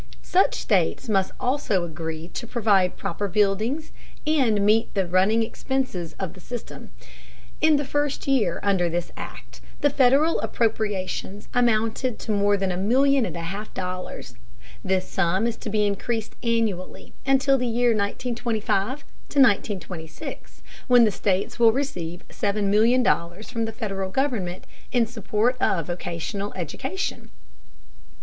Such states must also agree to provide proper buildings and meet the running expenses of the system. In the first year under this Act, the Federal appropriations amounted to more than a million and a half dollars. This sum is to be increased annually until the year 1925 1926, when the states will receive $7,000,000 from the Federal government in support of vocational education.